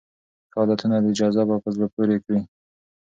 ښه عادتونه جذاب او په زړه پورې کړئ.